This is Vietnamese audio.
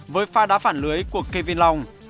với pha đá phản lưới của kevin long